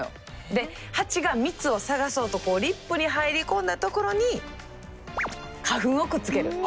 でハチが蜜を探そうとリップに入り込んだところに花粉をくっつける。